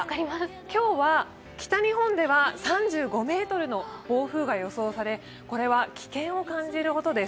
今日は北日本では３５メートルの暴風が予想されこれは危険を感じるほどです。